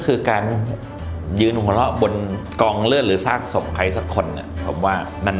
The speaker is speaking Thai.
คือการยืนหล่อบนกองเลือดหรือซากสมใครสักคนผมว่ามัน